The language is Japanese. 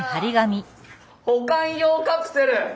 「保管用カプセル」！